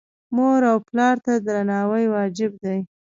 مور او پلار ته درناوی واجب دی